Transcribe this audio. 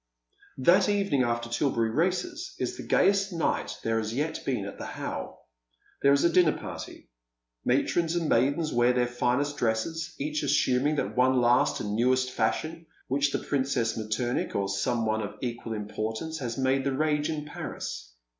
That evening after Tilberry races is the gayest night there haa yet been at the How. There is a dinner party, matrons and maidens wear their finest dresses, each assuming that one last and newest fashion which the Princess Mettemich, or some one of equal importance, has made the rage in Paris.